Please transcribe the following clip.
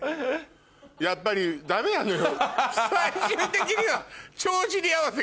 やっぱりダメなのよ。